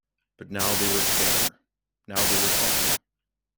But now they were together; now they were talking.